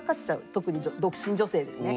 特に独身女性ですね。